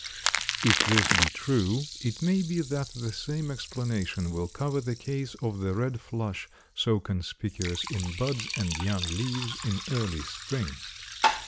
If this be true, it may be that the same explanation will cover the case of the red flush so conspicuous in buds and young leaves in early spring.